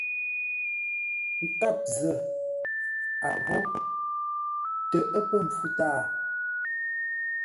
Nkâp zə̂, a ghô: tə ə́ pə̂ mpfu tâa.